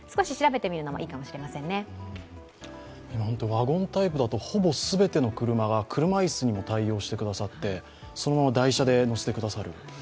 ワゴンタイプだと、ほぼ全ての車が車椅子にも対応してくださっていてそのまま台車で乗せてくださる。